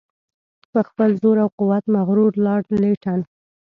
په خپل زور او قوت مغرور لارډ لیټن.